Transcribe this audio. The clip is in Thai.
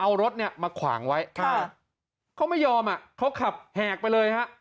เอารถเนี่ยมาขวางไว้ค่ะเขาไม่ยอมอ่ะเขาขับแหกไปเลยฮะ